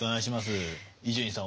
伊集院さん